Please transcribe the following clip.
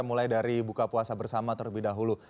mulai dari buka puasa bersama terlebih dahulu